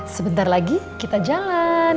sebentar lagi kita jalan